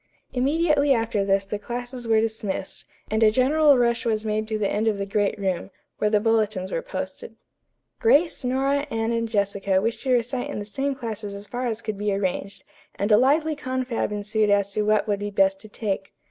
Immediately after this the classes were dismissed, and a general rush was made to the end of the great room, where the bulletins were posted. Grace, Nora, Anne and Jessica wished to recite in the same classes as far as could be arranged, and a lively confab ensued as to what would be best to take.